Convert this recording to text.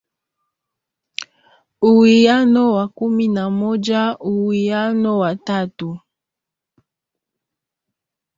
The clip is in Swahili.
uwiano wa kumi na moja uwiano wa tatu